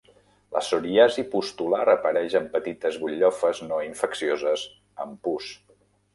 La psoriasi pustular apareix amb petites butllofes no infeccioses amb pus.